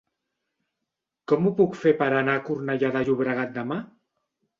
Com ho puc fer per anar a Cornellà de Llobregat demà?